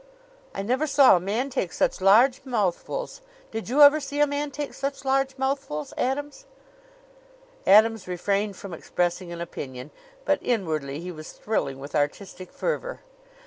"I never saw a man take such large mouthfuls. Did you ever see a man take such large mouthfuls, Adams?" Adams refrained from expressing an opinion, but inwardly he was thrilling with artistic fervor. Mr.